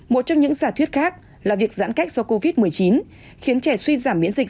một trong những giả thuyết khác là việc giãn cách do covid một mươi chín khiến trẻ suy giảm miễn dịch